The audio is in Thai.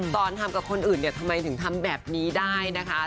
ตอนทำกับคนอื่นเนี่ยทำไมถึงทำแบบนี้ได้นะคะ